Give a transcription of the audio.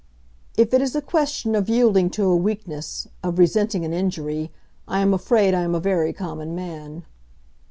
"If it is a question of yielding to a weakness, of resenting an injury, I am afraid I am a very common man."